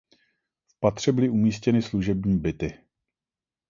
V patře byly umístěny služební byty.